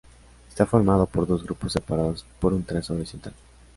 Está formado por dos grupos separados por un trazo horizontal.